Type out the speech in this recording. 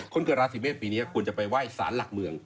คนเกิดราศีเมษปีนี้ควรจะไปไหว้สารหลักเมือง